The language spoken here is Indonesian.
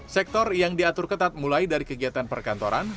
sektor yang diatur ketat mulai dari kegiatan perkantoran